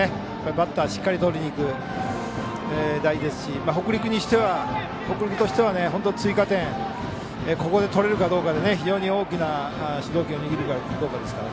バッターはしっかりとりにいくところですし北陸としては追加点をここで取れるかどうかで非常に大きな主導権を握れるかどうかですから。